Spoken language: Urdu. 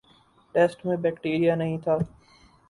ٹیسٹ میں بیکٹیریا نہیں تھا